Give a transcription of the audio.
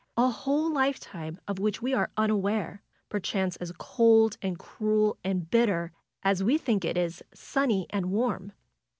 A whole life time of which we are unaware; perchance as cold, and cruel, and bitter as we think it is sunny and warm."